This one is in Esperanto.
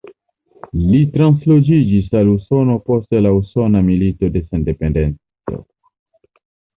Li translokiĝis al Usono post la Usona Milito de Sendependeco.